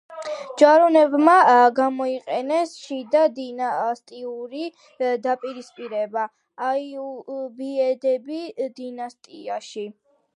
ჯვაროსნებმა გამოიყენეს შიდა დინასტიური დაპირისპირება აიუბიდების დინასტიაში.